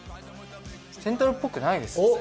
セントルっぽくないです。